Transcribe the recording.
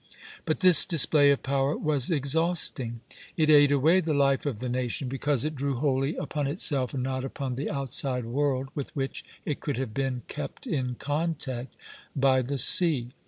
But this display of power was exhausting; it ate away the life of the nation, because it drew wholly upon itself and not upon the outside world, with which it could have been kept in contact by the sea.